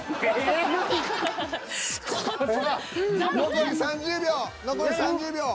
残り３０秒残り３０秒。